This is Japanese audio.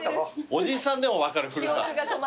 おじさんでも分かる古さ。